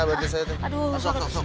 aduh aduh aduh aduh